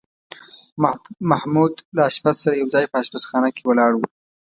محمود له اشپز سره یو ځای په اشپزخانه کې ولاړ و.